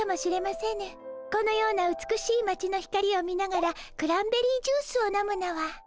このような美しいまちの光を見ながらクランベリージュースを飲むのは。